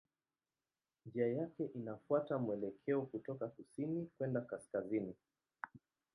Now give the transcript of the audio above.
Njia yake inafuata mwelekeo kutoka kusini kwenda kaskazini.